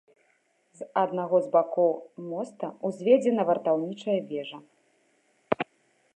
З аднаго з бакоў моста ўзведзена вартаўнічая вежа.